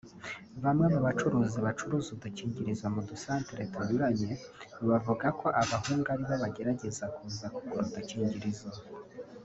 Bamwe mu bacuruzi bacuruza udukingirizo mu dusantere tunyuranye bavuga ko abahungu ari bo bagerageza kuza kugura udukingirizo